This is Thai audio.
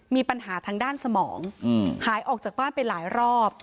มีปัญหาทางด้านสมองหายออกจากบ้านไปหลายรอบ